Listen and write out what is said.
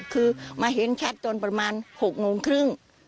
คือมาเห็นแชทตอนประมาณ๖โมงครึ่ง